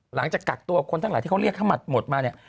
หลังจากกักตัวคนทั้งหลายที่เขาเรียกทั้งหมดมาเนี่ย